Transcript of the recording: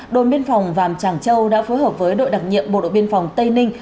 đồn biên phòng vàm tràng châu đã phối hợp với đội đặc nhiệm bộ đội biên phòng tây ninh